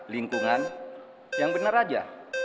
lingkungan yang benar aja